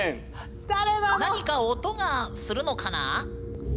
何か音がするのかなあ？